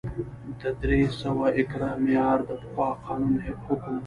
د درې سوه ایکره معیار د پخوا قانون حکم و